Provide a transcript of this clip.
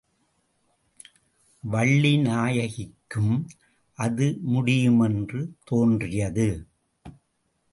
வள்ளிநாயகிக்கும் அதுமுடியுமென்று தோன்றியது.